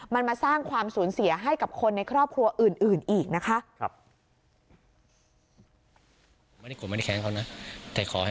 มันมาสร้างความสูญเสียให้กับคนในครอบครัวอื่นอีกนะคะ